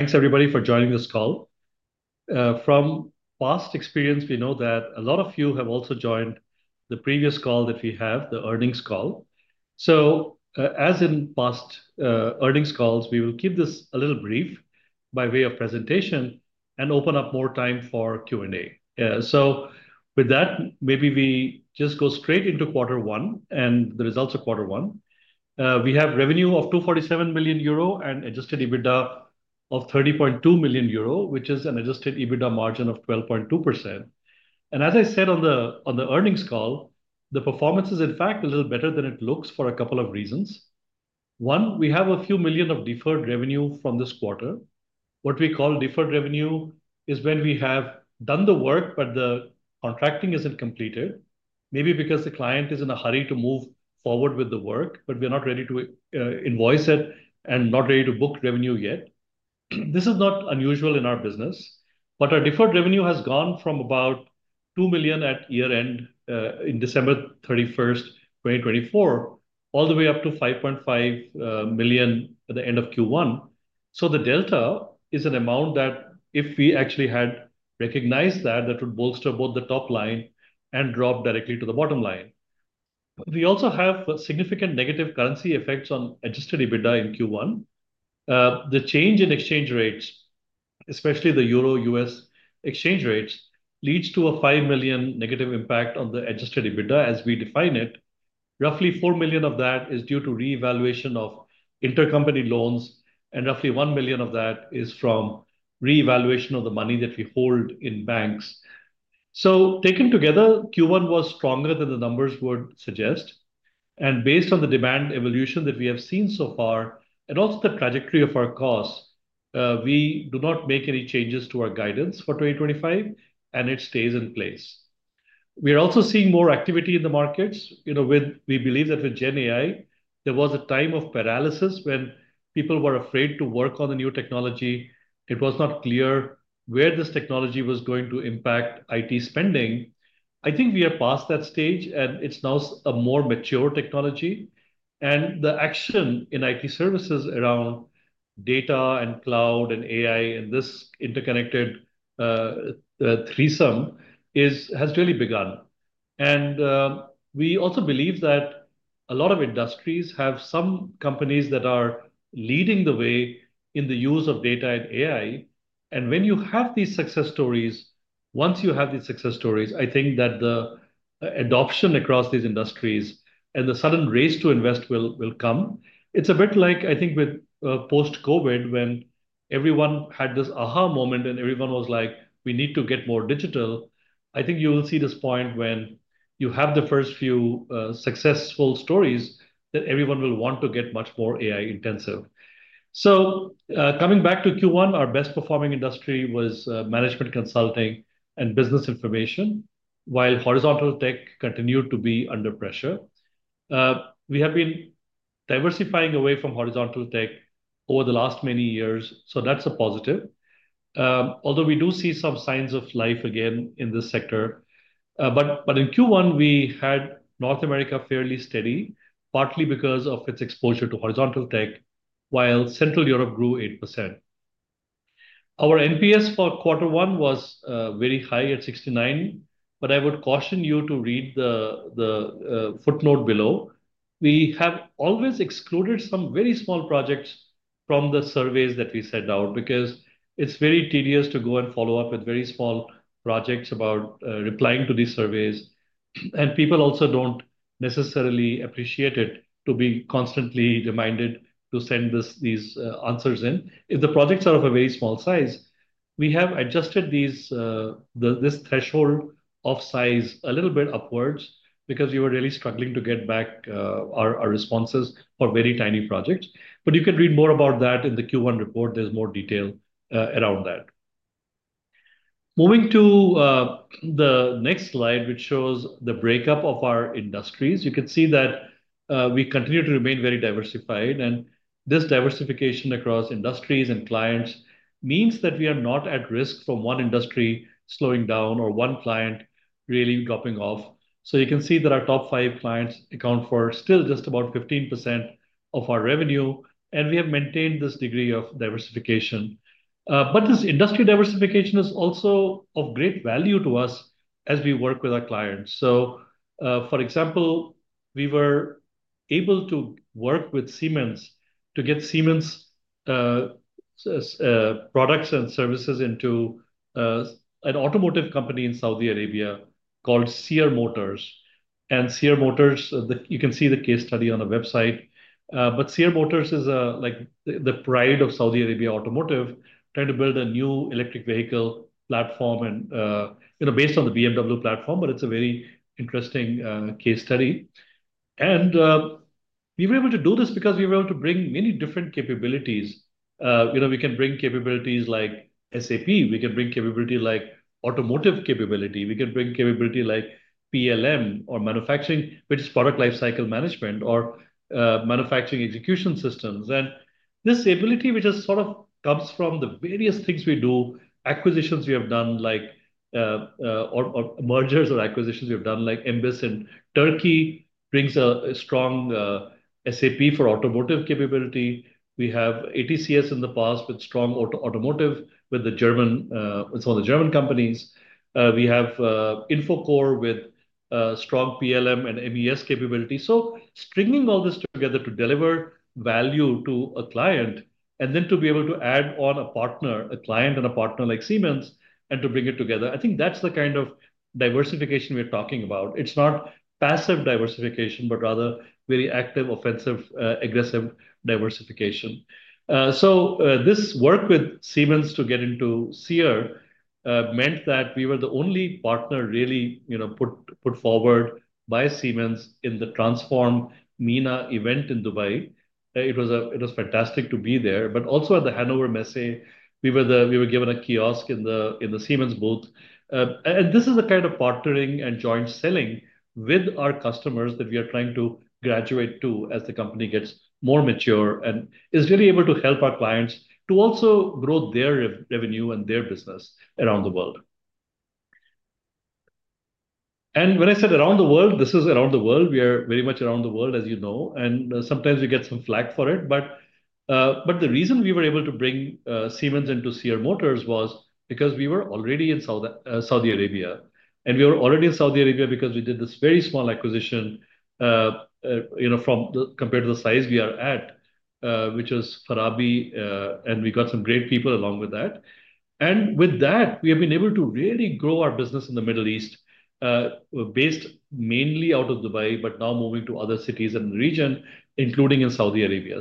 Thanks, everybody, for joining this call. From past experience, we know that a lot of you have also joined the previous call that we have, the earnings call. As in past earnings calls, we will keep this a little brief by way of presentation and open up more time for Q&A. With that, maybe we just go straight into Quarter One and the results of Quarter One. We have revenue of 247 million euro and Adjusted EBITDA of 30.2 million euro, which is an Adjusted EBITDA margin of 12.2%. As I said on the earnings call, the performance is, in fact, a little better than it looks for a couple of reasons. One, we have a few million of deferred revenue from this quarter. What we call deferred revenue is when we have done the work, but the contracting is not completed, maybe because the client is in a hurry to move forward with the work, but we are not ready to invoice it and not ready to book revenue yet. This is not unusual in our business, but our deferred revenue has gone from about 2 million at year-end on December 31, 2024, all the way up to 5.5 million at the end of Q1. The delta is an amount that if we actually had recognized that, that would bolster both the top line and drop directly to the bottom line. We also have significant negative currency effects on Adjusted EBITDA in Q1. The change in exchange rates, especially the EUR/USD exchange rates, leads to a 5 million negative impact on the Adjusted EBITDA, as we define it. Roughly 4 million of that is due to reevaluation of intercompany loans, and roughly 1 million of that is from reevaluation of the money that we hold in banks. Taken together, Q1 was stronger than the numbers would suggest. Based on the demand evolution that we have seen so far and also the trajectory of our costs, we do not make any changes to our guidance for 2025, and it stays in place. We are also seeing more activity in the markets. We believe that with GenAI, there was a time of paralysis when people were afraid to work on the new technology. It was not clear where this technology was going to impact IT spending. I think we are past that stage, and it is now a more mature technology. The action in IT services around data and cloud and AI and this interconnected threesome has really begun. We also believe that a lot of industries have some companies that are leading the way in the use of data and AI. When you have these success stories, once you have these success stories, I think that the adoption across these industries and the sudden race to invest will come. It's a bit like, I think, with post-COVID when everyone had this aha moment and everyone was like, "We need to get more digital." I think you will see this point when you have the first few successful stories that everyone will want to get much more AI-intensive. Coming back to Q1, our best-performing industry was management consulting and business information, while horizontal tech continued to be under pressure. We have been diversifying away from horizontal tech over the last many years, so that's a positive. Although we do see some signs of life again in this sector. In Q1, we had North America fairly steady, partly because of its exposure to horizontal tech, while Central Europe grew 8%. Our NPS for Quarter One was very high at 69, but I would caution you to read the footnote below. We have always excluded some very small projects from the surveys that we send out because it's very tedious to go and follow up with very small projects about replying to these surveys. People also don't necessarily appreciate it to be constantly reminded to send these answers in. If the projects are of a very small size, we have adjusted this threshold of size a little bit upwards because we were really struggling to get back our responses for very tiny projects. You can read more about that in the Q1 report. There is more detail around that. Moving to the next slide, which shows the breakup of our industries, you can see that we continue to remain very diversified. This diversification across industries and clients means that we are not at risk from one industry slowing down or one client really dropping off. You can see that our top five clients account for still just about 15% of our revenue, and we have maintained this degree of diversification. This industry diversification is also of great value to us as we work with our clients. For example, we were able to work with Siemens to get Siemens products and services into an automotive company in Saudi Arabia called Seer Motors. Seer Motors, you can see the case study on the website. Seer Motors is the pride of Saudi Arabia automotive, trying to build a new electric vehicle platform based on the BMW platform. It is a very interesting case study. We were able to do this because we were able to bring many different capabilities. We can bring capabilities like SAP. We can bring capability like automotive capability. We can bring capability like PLM or manufacturing, which is product lifecycle management or manufacturing execution systems. This ability, which sort of comes from the various things we do, acquisitions we have done, like mergers or acquisitions we have done, like Embiss in Turkey brings a strong SAP for automotive capability. We have ATCS in the past with strong automotive with some of the German companies. We have Infocore with strong PLM and MES capability. Stringing all this together to deliver value to a client and then to be able to add on a partner, a client and a partner like Siemens, and to bring it together, I think that's the kind of diversification we're talking about. It's not passive diversification, but rather very active, offensive, aggressive diversification. This work with Siemens to get into Seer meant that we were the only partner really put forward by Siemens in the Transform MENA event in Dubai. It was fantastic to be there. Also at the Hanover Messe, we were given a kiosk in the Siemens booth. This is the kind of partnering and joint selling with our customers that we are trying to graduate to as the company gets more mature and is really able to help our clients to also grow their revenue and their business around the world. When I said around the world, this is around the world. We are very much around the world, as you know, and sometimes we get some flack for it. The reason we were able to bring Siemens into Seer Motors was because we were already in Saudi Arabia. We were already in Saudi Arabia because we did this very small acquisition compared to the size we are at, which was Farabi, and we got some great people along with that. With that, we have been able to really grow our business in the Middle East, based mainly out of Dubai, but now moving to other cities in the region, including in Saudi Arabia.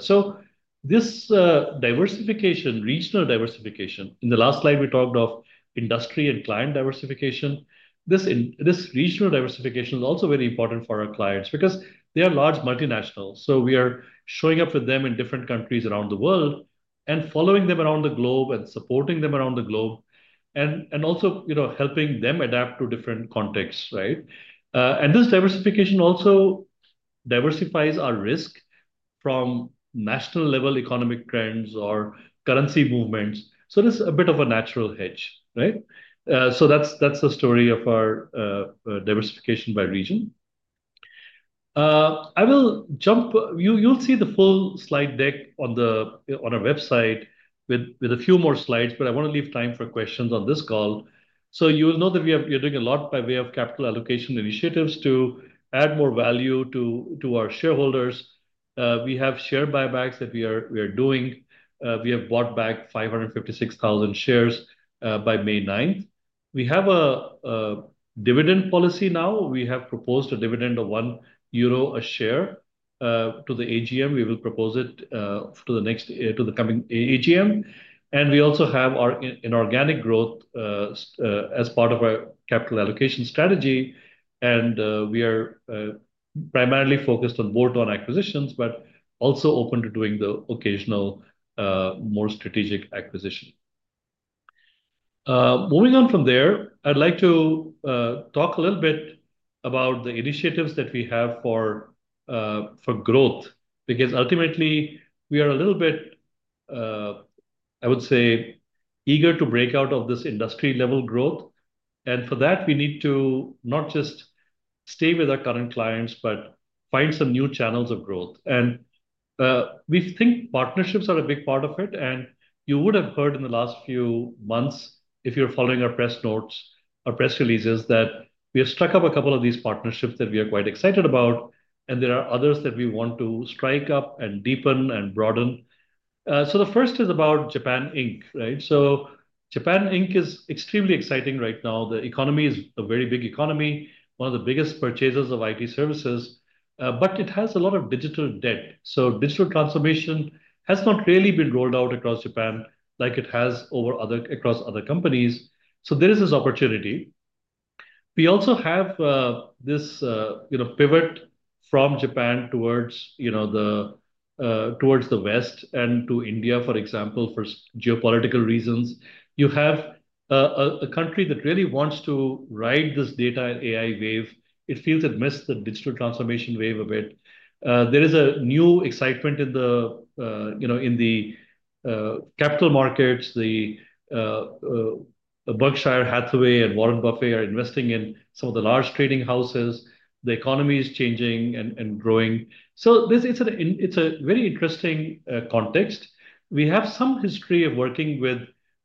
This diversification, regional diversification, in the last slide, we talked of industry and client diversification. This regional diversification is also very important for our clients because they are large multinationals. We are showing up with them in different countries around the world and following them around the globe and supporting them around the globe and also helping them adapt to different contexts. This diversification also diversifies our risk from national-level economic trends or currency movements. It is a bit of a natural hedge. That is the story of our diversification by region. You'll see the full slide deck on our website with a few more slides, but I want to leave time for questions on this call. You will know that we are doing a lot by way of capital allocation initiatives to add more value to our shareholders. We have share buybacks that we are doing. We have bought back 556,000 shares by May 9th. We have a dividend policy now. We have proposed a dividend of 1 euro a share to the AGM. We will propose it to the coming AGM. We also have our inorganic growth as part of our capital allocation strategy. We are primarily focused on board-on acquisitions, but also open to doing the occasional more strategic acquisition. Moving on from there, I'd like to talk a little bit about the initiatives that we have for growth because ultimately, we are a little bit, I would say, eager to break out of this industry-level growth. For that, we need to not just stay with our current clients, but find some new channels of growth. We think partnerships are a big part of it. You would have heard in the last few months, if you're following our press notes or press releases, that we have struck up a couple of these partnerships that we are quite excited about, and there are others that we want to strike up and deepen and broaden. The first is about Japan Inc Japan Inc is extremely exciting right now. The economy is a very big economy, one of the biggest purchasers of IT services, but it has a lot of digital debt. Digital transformation has not really been rolled out across Japan like it has across other companies. There is this opportunity. We also have this pivot from Japan towards the West and to India, for example, for geopolitical reasons. You have a country that really wants to ride this data and AI wave. It feels it missed the digital transformation wave a bit. There is a new excitement in the capital markets. Berkshire Hathaway and Warren Buffett are investing in some of the large trading houses. The economy is changing and growing. It is a very interesting context. We have some history of working with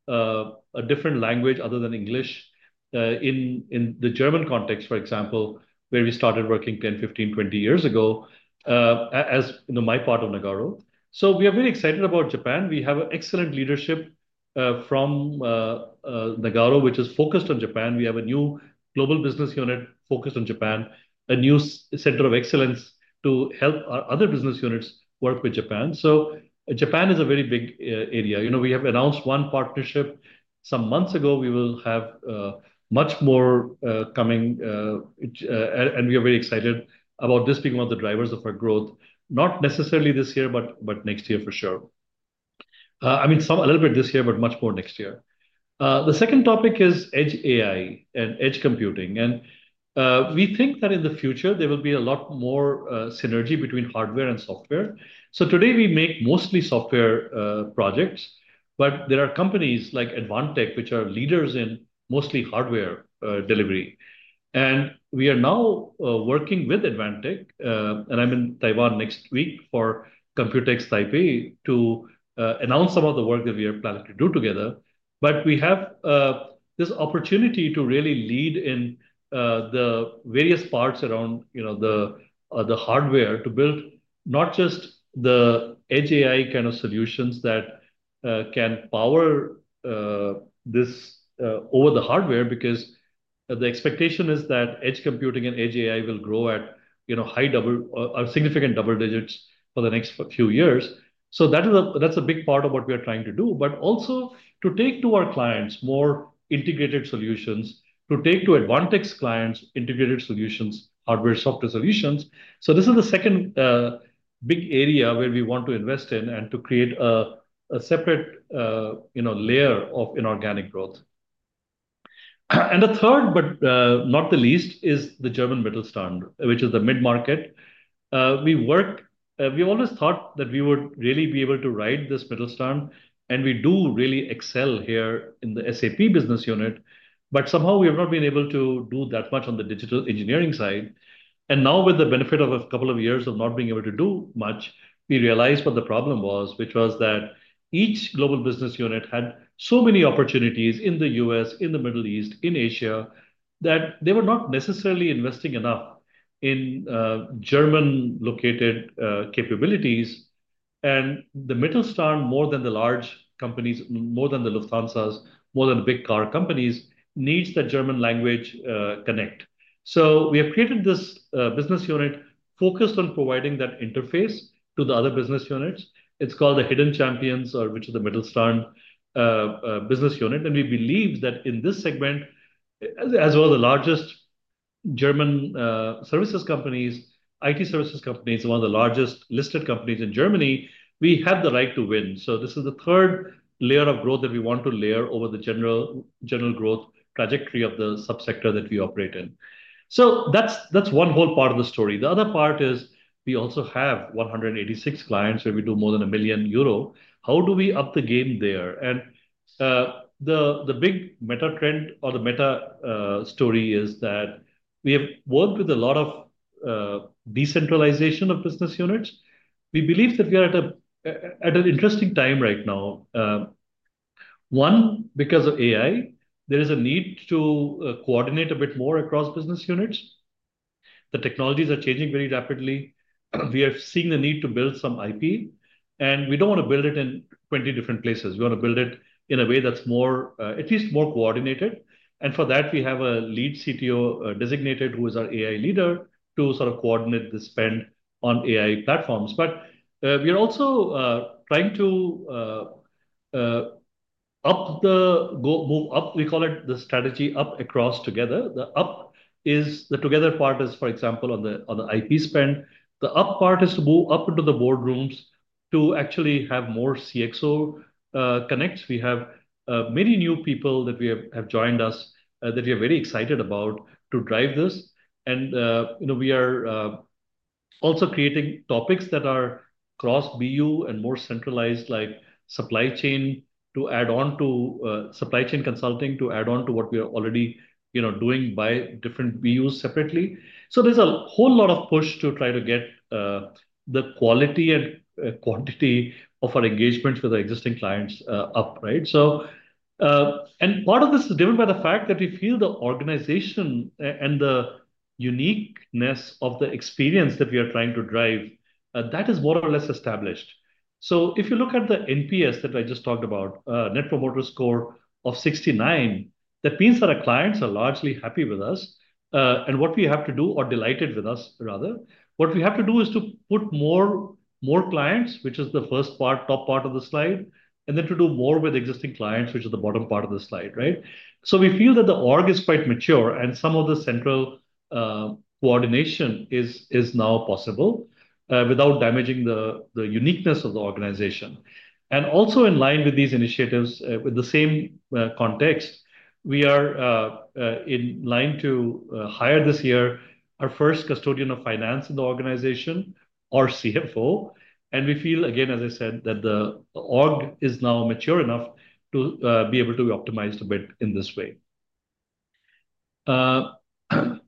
a different language other than English in the German context, for example, where we started working 10, 15, 20 years ago as my part of Nagarro. We are very excited about Japan. We have excellent leadership from Nagarro, which is focused on Japan. We have a new global business unit focused on Japan, a new center of excellence to help our other business units work with Japan. Japan is a very big area. We have announced one partnership some months ago. We will have much more coming, and we are very excited about this being one of the drivers of our growth, not necessarily this year, but next year for sure. I mean, a little bit this year, but much more next year. The second topic is Edge AI and Edge Computing. We think that in the future, there will be a lot more synergy between hardware and software. Today, we make mostly software projects, but there are companies like Advantech, which are leaders in mostly hardware delivery. We are now working with Advantech, and I'm in Taiwan next week for Computex Taipei to announce some of the work that we are planning to do together. We have this opportunity to really lead in the various parts around the hardware to build not just the edge AI kind of solutions that can power this over the hardware because the expectation is that edge computing and edge AI will grow at significant double digits for the next few years. That's a big part of what we are trying to do, but also to take to our clients more integrated solutions, to take to Advantech's clients integrated solutions, hardware-software solutions. This is the second big area where we want to invest in and to create a separate layer of inorganic growth. The third, but not the least, is the German Mittelstand, which is the mid-market. We always thought that we would really be able to ride this Mittelstand, and we do really excel here in the SAP business unit, but somehow we have not been able to do that much on the digital engineering side. Now, with the benefit of a couple of years of not being able to do much, we realized what the problem was, which was that each global business unit had so many opportunities in the U.S., in the Middle East, in Asia, that they were not necessarily investing enough in German-located capabilities. The Mittelstand, more than the large companies, more than the Lufthansas, more than the big car companies, needs that German language connect. We have created this business unit focused on providing that interface to the other business units. It is called the Hidden Champions, which is the Mittelstand business unit. We believe that in this segment, as well as the largest German services companies, IT services companies, one of the largest listed companies in Germany, we have the right to win. This is the third layer of growth that we want to layer over the general growth trajectory of the subsector that we operate in. That is one whole part of the story. The other part is we also have 186 clients where we do more than 1 million euro. How do we up the game there? The big meta trend or the meta story is that we have worked with a lot of decentralization of business units. We believe that we are at an interesting time right now. One, because of AI, there is a need to coordinate a bit more across business units. The technologies are changing very rapidly. We are seeing the need to build some IP, and we do not want to build it in 20 different places. We want to build it in a way that is at least more coordinated. For that, we have a lead CTO designated, who is our AI leader, to sort of coordinate the spend on AI platforms. We are also trying to up the move up, we call it the strategy up across together. The up is the together part is, for example, on the IP spend. The up part is to move up into the boardrooms to actually have more CXO connects. We have many new people that have joined us that we are very excited about to drive this. We are also creating topics that are cross-BU and more centralized, like supply chain to add on to supply chain consulting to add on to what we are already doing by different BUs separately. There is a whole lot of push to try to get the quality and quantity of our engagements with our existing clients up. Part of this is driven by the fact that we feel the organization and the uniqueness of the experience that we are trying to drive, that is more or less established. If you look at the NPS that I just talked about, Net Promoter Score of 69, that means that our clients are largely happy with us, or delighted with us, rather. What we have to do is to put more clients, which is the first part, top part of the slide, and then to do more with existing clients, which is the bottom part of the slide. We feel that the org is quite mature and some of the central coordination is now possible without damaging the uniqueness of the organization. Also in line with these initiatives, with the same context, we are in line to hire this year our first custodian of finance in the organization, our CFO. We feel, again, as I said, that the org is now mature enough to be able to be optimized a bit in this way. Coming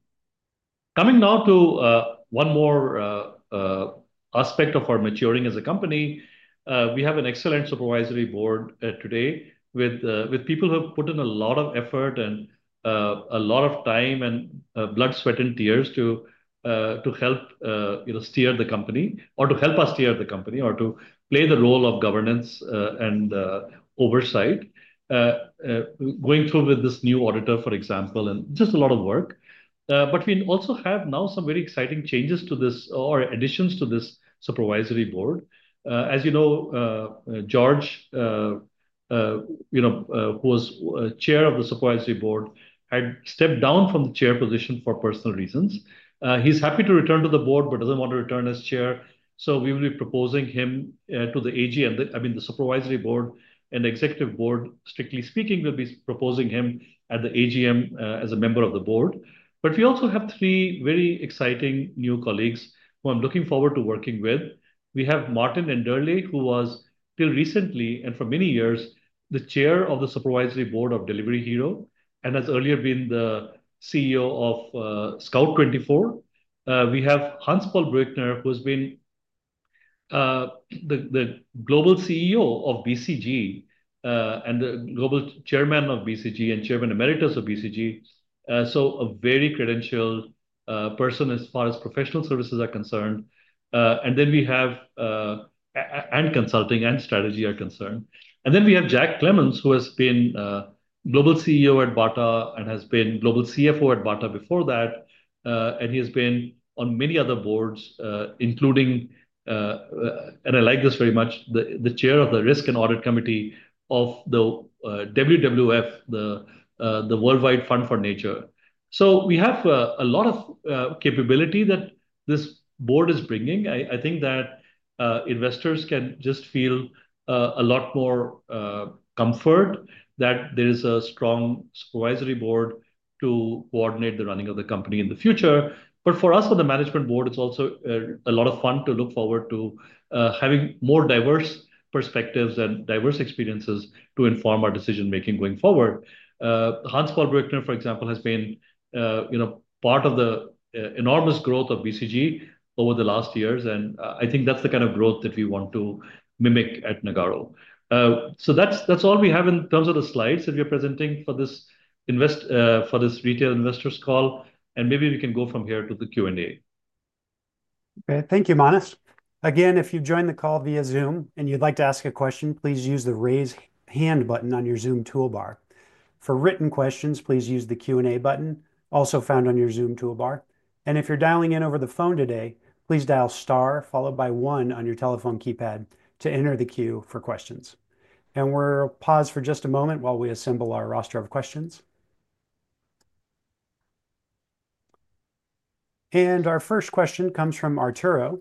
now to one more aspect of our maturing as a company, we have an excellent supervisory board today with people who have put in a lot of effort and a lot of time and blood, sweat, and tears to help steer the company or to help us steer the company or to play the role of governance and oversight, going through with this new auditor, for example, and just a lot of work. We also have now some very exciting changes to this or additions to this supervisory board. As you know, George, who was chair of the Supervisory Board, had stepped down from the chair position for personal reasons. He's happy to return to the board, but doesn't want to return as chair. We will be proposing him to the AGM. I mean, the Supervisory Board and Executive Board, strictly speaking, will be proposing him at the AGM as a member of the board. We also have three very exciting new colleagues who I'm looking forward to working with. We have Martin Enderle, who was till recently and for many years the chair of the Supervisory Board of Delivery Hero and has earlier been the CEO of Scout24. We have Hans-Paul Bürckner, who has been the global CEO of BCG and the global chairman of BCG and chairman emeritus of BCG. A very credentialed person as far as professional services are concerned. We have, as far as consulting and strategy are concerned. We have Jack Clemens, who has been global CEO at Barry Callebaut and has been global CFO at Barry Callebaut before that. He has been on many other boards, including—and I like this very much—the chair of the Risk and Audit Committee of the WWF, the Worldwide Fund for Nature. We have a lot of capability that this board is bringing. I think that investors can just feel a lot more comfort that there is a strong supervisory board to coordinate the running of the company in the future. For us, on the management board, it's also a lot of fun to look forward to having more diverse perspectives and diverse experiences to inform our decision-making going forward. Hans-Paul Bürckner, for example, has been part of the enormous growth of BCG over the last years. I think that's the kind of growth that we want to mimic at Nagarro. That's all we have in terms of the slides that we are presenting for this retail investors call. Maybe we can go from here to the Q&A. Okay. Thank you, Manas. Again, if you've joined the call via Zoom and you'd like to ask a question, please use the raise hand button on your Zoom toolbar. For written questions, please use the Q&A button also found on your Zoom toolbar. If you're dialing in over the phone today, please dial star followed by one on your telephone keypad to enter the queue for questions. We'll pause for just a moment while we assemble our roster of questions. Our first question comes from Arturo.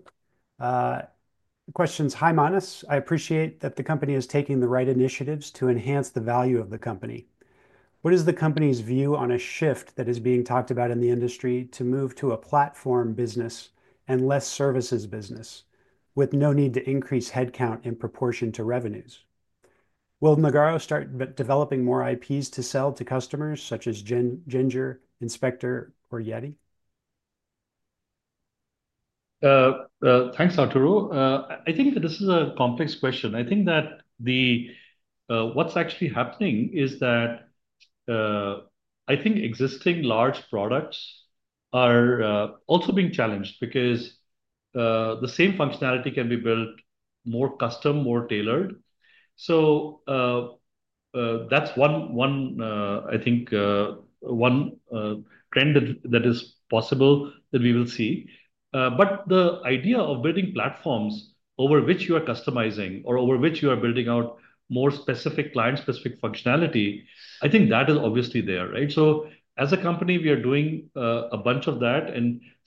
The question is, "Hi Manas. I appreciate that the company is taking the right initiatives to enhance the value of the company. What is the company's view on a shift that is being talked about in the industry to move to a platform business and less services business with no need to increase headcount in proportion to revenues? Will Nagarro start developing more IPs to sell to customers such as Ginger, Inspector, or Yeti? Thanks, Arturo. I think that this is a complex question. I think that what's actually happening is that existing large products are also being challenged because the same functionality can be built more custom, more tailored. That is one trend that is possible that we will see. The idea of building platforms over which you are customizing or over which you are building out more specific client-specific functionality, I think that is obviously there. As a company, we are doing a bunch of that.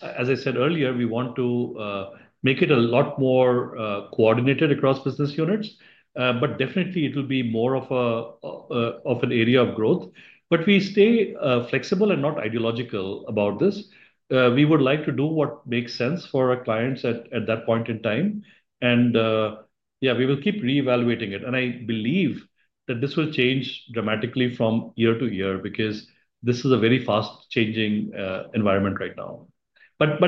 As I said earlier, we want to make it a lot more coordinated across business units. It will definitely be more of an area of growth. We stay flexible and not ideological about this. We would like to do what makes sense for our clients at that point in time. Yeah, we will keep reevaluating it. I believe that this will change dramatically from year to year because this is a very fast-changing environment right now.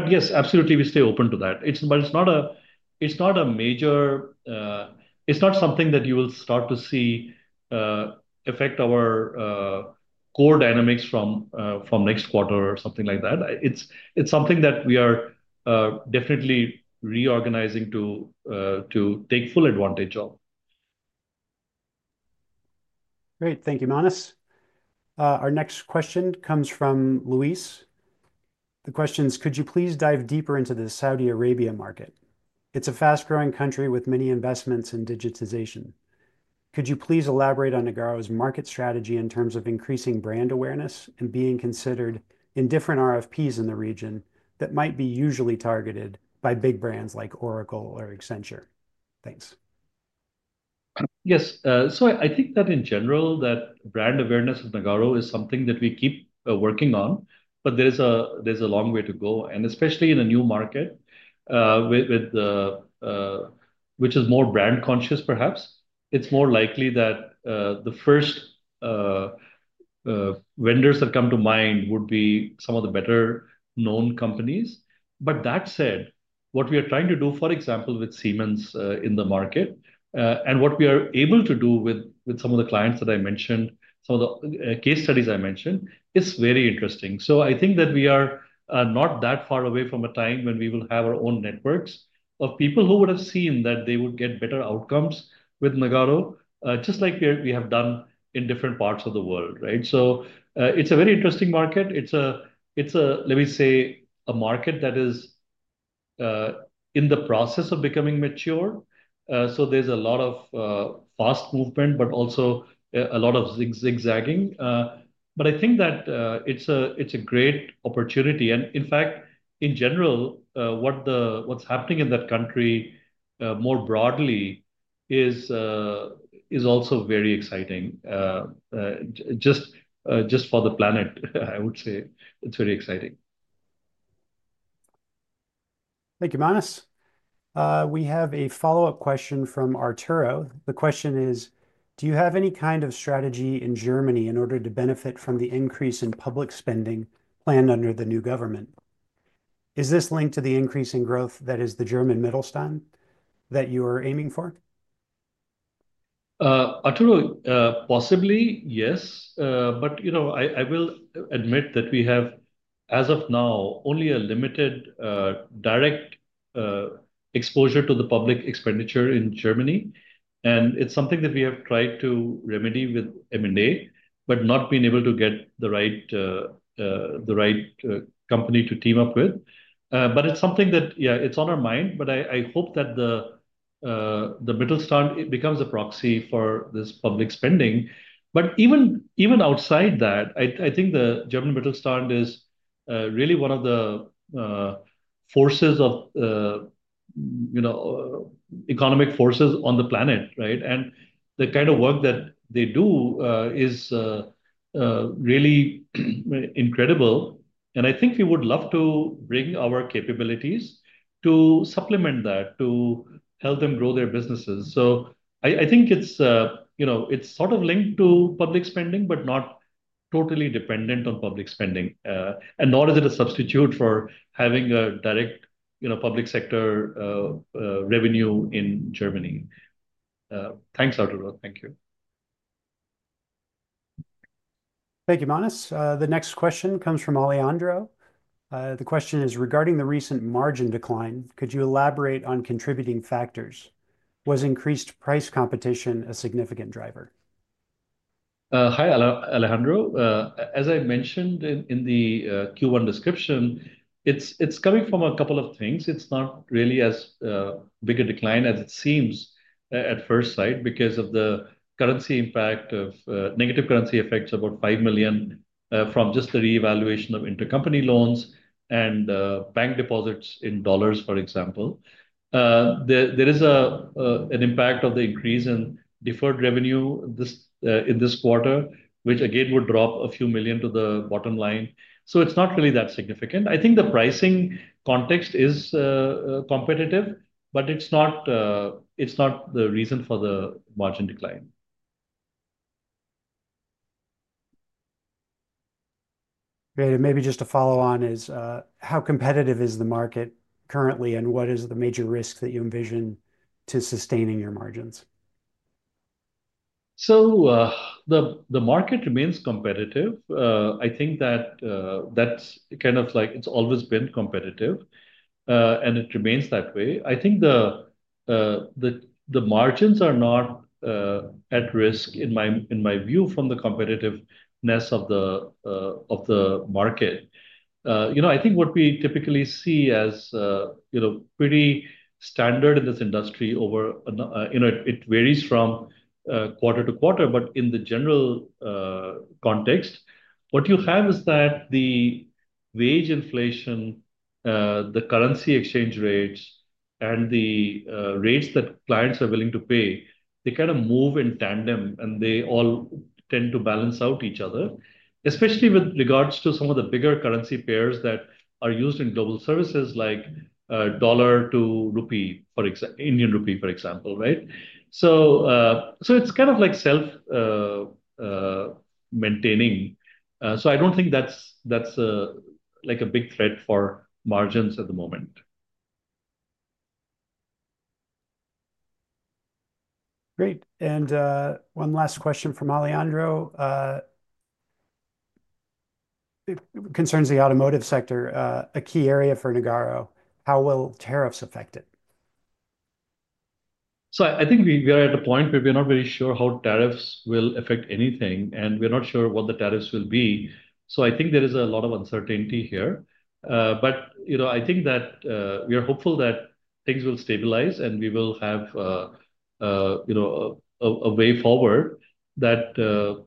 Yes, absolutely, we stay open to that. It is not a major—it is not something that you will start to see affect our core dynamics from next quarter or something like that. It is something that we are definitely reorganizing to take full advantage of. Great. Thank you, Manas. Our next question comes from Luis. The question is, "Could you please dive deeper into the Saudi Arabia market? It's a fast-growing country with many investments in digitization. Could you please elaborate on Nagarro's market strategy in terms of increasing brand awareness and being considered in different RFPs in the region that might be usually targeted by big brands like Oracle or Accenture?" Thanks. Yes. I think that in general, that brand awareness of Nagarro is something that we keep working on. There is a long way to go. Especially in a new market, which is more brand-conscious, perhaps, it's more likely that the first vendors that come to mind would be some of the better-known companies. That said, what we are trying to do, for example, with Siemens in the market and what we are able to do with some of the clients that I mentioned, some of the case studies I mentioned, is very interesting. I think that we are not that far away from a time when we will have our own networks of people who would have seen that they would get better outcomes with Nagarro, just like we have done in different parts of the world. It is a very interesting market. It is, let me say, a market that is in the process of becoming mature. There is a lot of fast movement, but also a lot of zigzagging. I think that it is a great opportunity. In fact, in general, what is happening in that country more broadly is also very exciting. Just for the planet, I would say, it's very exciting. Thank you, Manas. We have a follow-up question from Arturo. The question is, "Do you have any kind of strategy in Germany in order to benefit from the increase in public spending planned under the new government? Is this linked to the increasing growth that is the German Mittelstand that you are aiming for?" Arturo, possibly, yes. I will admit that we have, as of now, only a limited direct exposure to the public expenditure in Germany. It's something that we have tried to remedy with M&A, but not been able to get the right company to team up with. It's something that, yeah, it's on our mind. I hope that the Mittelstand becomes a proxy for this public spending. Even outside that, I think the German Mittelstand is really one of the forces of economic forces on the planet. The kind of work that they do is really incredible. I think we would love to bring our capabilities to supplement that, to help them grow their businesses. I think it is sort of linked to public spending, but not totally dependent on public spending. Nor is it a substitute for having a direct public sector revenue in Germany. Thanks, Arturo. Thank you. Thank you, Manas. The next question comes from Alejandro. The question is, "Regarding the recent margin decline, could you elaborate on contributing factors? Was increased price competition a significant driver?" Hi, Alejandro. As I mentioned in the Q1 description, it is coming from a couple of things. It's not really as big a decline as it seems at first sight because of the negative currency effects of about $5 million from just the reevaluation of intercompany loans and bank deposits in dollars, for example. There is an impact of the increase in deferred revenue in this quarter, which, again, would drop a few million to the bottom line. It's not really that significant. I think the pricing context is competitive, but it's not the reason for the margin decline. Great. Maybe just to follow on is, how competitive is the market currently, and what is the major risk that you envision to sustaining your margins? The market remains competitive. I think that that's kind of like it's always been competitive, and it remains that way. I think the margins are not at risk, in my view, from the competitiveness of the market. I think what we typically see as pretty standard in this industry, it varies from quarter to quarter. In the general context, what you have is that the wage inflation, the currency exchange rates, and the rates that clients are willing to pay, they kind of move in tandem, and they all tend to balance out each other, especially with regards to some of the bigger currency pairs that are used in global services like dollar to Indian rupee, for example. It's kind of like self-maintaining. I don't think that's a big threat for margins at the moment. Great. One last question from Alejandro concerns the automotive sector, a key area for Nagarro. How will tariffs affect it? I think we are at a point where we're not very sure how tariffs will affect anything, and we're not sure what the tariffs will be. I think there is a lot of uncertainty here. I think that we are hopeful that things will stabilize, and we will have a way forward that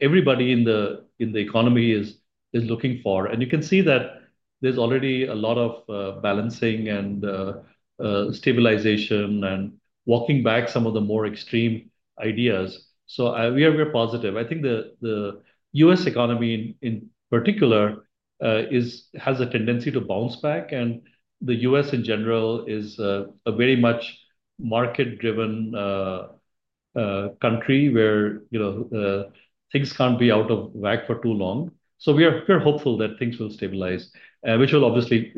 everybody in the economy is looking for. You can see that there is already a lot of balancing and stabilization and walking back some of the more extreme ideas. We are very positive. I think the U.S. economy, in particular, has a tendency to bounce back. The U.S., in general, is a very much market-driven country where things cannot be out of whack for too long. We are hopeful that things will stabilize, which will obviously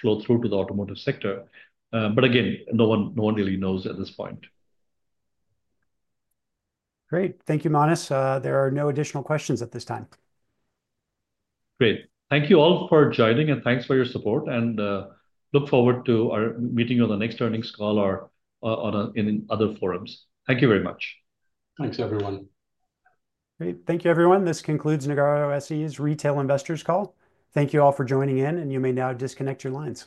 flow through to the automotive sector. Again, no one really knows at this point. Great. Thank you, Manas. There are no additional questions at this time. Great. Thank you all for joining, and thanks for your support. Look forward to meeting you on the next earnings call or in other forums. Thank you very much. Thanks, everyone. Great. Thank you, everyone. This concludes Nagarro SE's retail investors call. Thank you all for joining in, and you may now disconnect your lines.